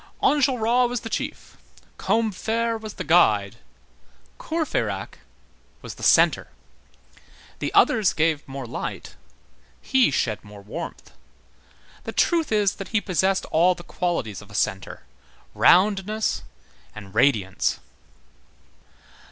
Enjolras was the chief, Combeferre was the guide, Courfeyrac was the centre. The others gave more light, he shed more warmth; the truth is, that he possessed all the qualities of a centre, roundness and radiance.